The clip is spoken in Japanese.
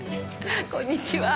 こんにちは。